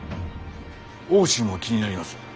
奥州も気になります。